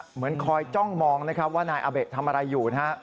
เหมือนคอยจ้องมองว่านายอาเบะทำอะไรอยู่